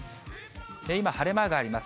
今、晴れ間があります。